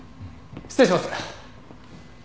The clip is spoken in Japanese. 失礼します。